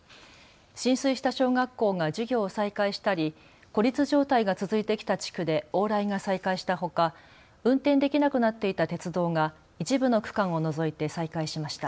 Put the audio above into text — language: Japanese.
浸水した小学校が授業を再開したり孤立状態が続いてきた地区で往来が再開したほか運転できなくなっていた鉄道が一部の区間を除いて再開しました。